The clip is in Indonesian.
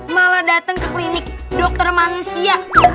malah datang ke klinik dokter manusia